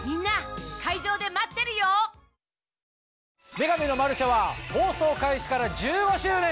『女神のマルシェ』は放送開始から１５周年！